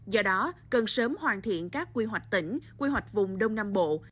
do đó cần sớm hoàn thiện các quy hoạch tỉnh quy hoạch vùng đông nam bộ